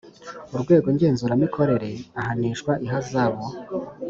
Urwego ngenzuramikorere ahanishwa ihazabu